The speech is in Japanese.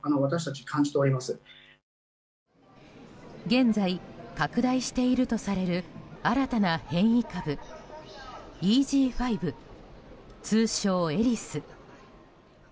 現在拡大しているとされる新たな変異株ＥＧ．５通称エリス。